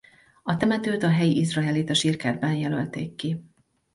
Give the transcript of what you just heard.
A temetőt a helyi izraelita sírkertben jelölték ki.